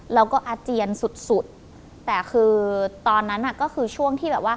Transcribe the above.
แล้วก็อาเจียนสุดแต่คือตอนนั้นก็คือช่วงที่